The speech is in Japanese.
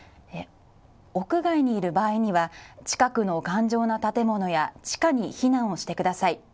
屋外にいる場合には近くの頑丈な建物や地下に避難をしてください。